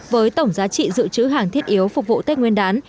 với tổng giá trị dự trữ hàng thiết yếu phục vụ tết nguyên đán